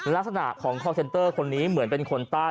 ลักษณะของคอร์เซนเตอร์คนนี้เหมือนเป็นคนใต้